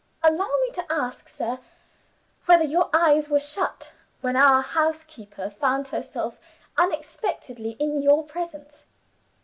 'Allow me to ask, sir, whether your eyes were shut, when our housekeeper found herself unexpectedly in your presence?